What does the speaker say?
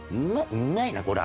うまいなこりゃ。